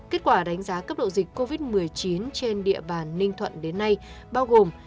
kết quả đánh giá cấp độ dịch covid một mươi chín trên địa bàn ninh thuận đến nay bao gồm